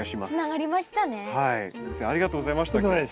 先生ありがとうございました今日。